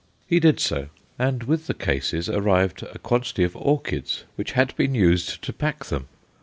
He did so, and with the cases arrived a quantity of orchids which had been used to pack them.